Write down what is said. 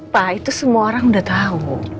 pak itu semua orang udah tahu